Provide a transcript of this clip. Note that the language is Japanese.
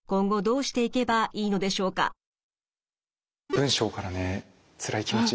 文章からねつらい気持ち